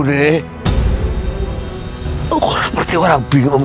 seperti orang bingung